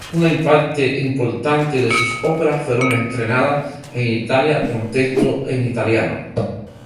Una parte importante de sus óperas fueron estrenadas en Italia con texto en italiano.